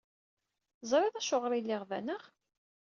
Teẓrid Acuɣer ay lliɣ da, naɣ?